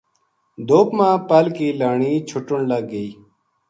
دھُپ ما پل کی لانی چھُٹن لگ گئی